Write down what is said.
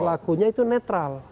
berlakunya itu netral